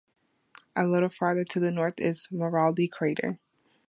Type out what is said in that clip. A little farther to the north is Maraldi crater.